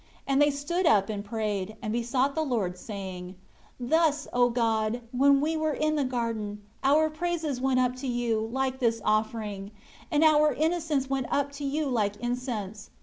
And they stood up and prayed, and besought the Lord saying, "Thus, O God, when we were in the garden, our praises went up to you, like this offering; and our innocence went up to you like incense.